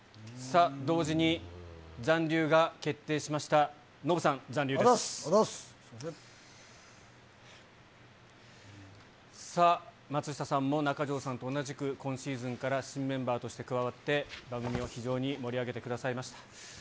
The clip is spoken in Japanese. ありがとうございます、さあ、松下さんも中条さんと同じく、今シーズンから新メンバーとして加わって、番組を非常に盛り上げてくださいました。